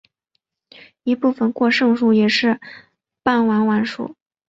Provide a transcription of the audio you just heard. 一部分过剩数也是半完全数。